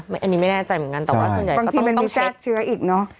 อันนี้ไม่แน่ใจเหมือนกันแต่ว่าส่วนใหญ่ก็ต้องแพร่เชื้ออีกเนอะ